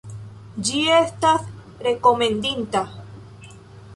Ĝi estas rekomendinda.